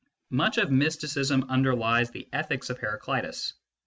Much of mysticism underlies the ethics of Heraclitus.